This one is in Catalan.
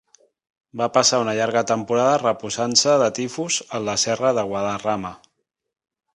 Va passar una llarga temporada reposant-se de tifus en la Serra de Guadarrama.